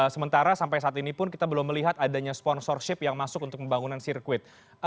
sementara sampai saat ini pun kita belum melihat adanya sponsorship yang masuk untuk pembangunan sirkuit